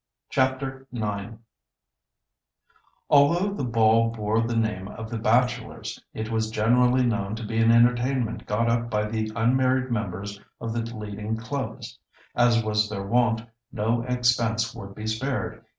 CHAPTER IX Although the ball bore the name of the Bachelors', it was generally known to be an entertainment got up by the unmarried members of the leading clubs. As was their wont, no expense would be spared.